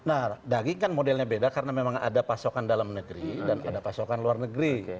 nah daging kan modelnya beda karena memang ada pasokan dalam negeri dan ada pasokan luar negeri